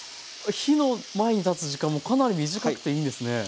火の前に立つ時間もかなり短くていいんですね。